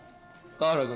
河原君。